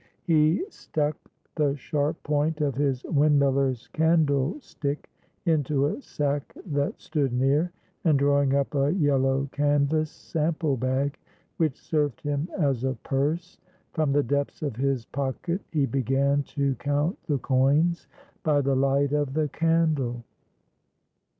He stuck the sharp point of his windmiller's candlestick into a sack that stood near, and drawing up a yellow canvas "sample bag"—which served him as a purse—from the depths of his pocket, he began to count the coins by the light of the candle.